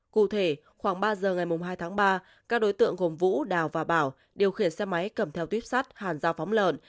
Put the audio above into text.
cụ thể khoảng ba giờ ngày hai tháng ba các đối tượng gồm vũ đào và bảo điều khiển xe máy cầm theo tuyếp sắt hàn dao phóng lợn